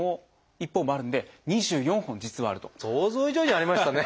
想像以上にありましたね。